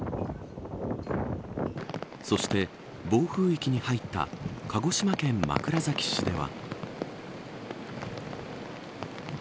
そして、暴風域に入った鹿児島県枕崎市では。